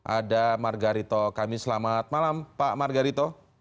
ada margarito kami selamat malam pak margarito